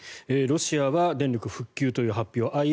ロシアは電力復旧という発表